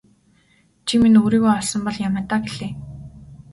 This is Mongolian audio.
Чи минь өөрийгөө олсон бол яамай даа гэлээ.